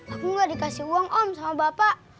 aku gak dikasih uang om sama bapak